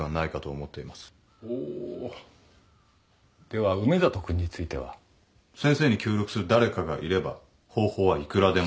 では梅里君については？先生に協力する誰かがいれば方法はいくらでもあります。